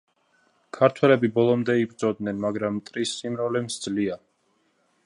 ქართველები ბოლომდე იბრძოდნენ, მაგრამ მტრის სიმრავლემ სძლია.